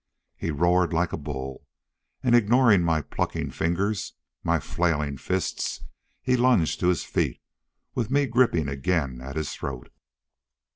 He roared like a bull. And ignoring my plucking fingers, my flailing fists, he lunged to his feet with me gripping again at his throat.